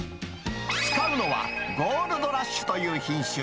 使うのは、ゴールドラッシュという品種。